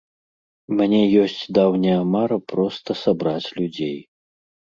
У мяне ёсць даўняя мара проста сабраць людзей.